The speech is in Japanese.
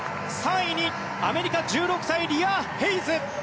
３位にアメリカ１６歳、リア・ヘイズ。